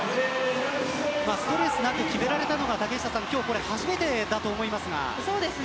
ストレスなく決められたのは今日初めてだと思います。